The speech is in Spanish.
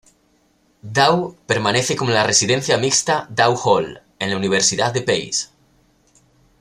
Dow, permanece como la residencia mixta Dow Hall en la universidad de Pace.